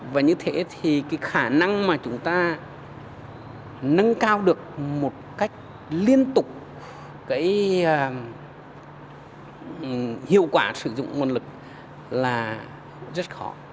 và như thế thì cái khả năng mà chúng ta nâng cao được một cách liên tục cái hiệu quả sử dụng nguồn lực là rất khó